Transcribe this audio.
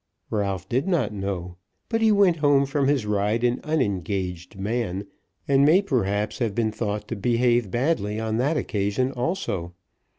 Ralph did not know; but he went home from his ride an unengaged man, and may perhaps have been thought to behave badly on that occasion also.